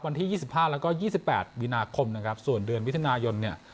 วันที่ยี่สิบห้าแล้วก็ยี่สิบแปดวินาคมนะครับส่วนเดือนวิทยุนายนเนี่ย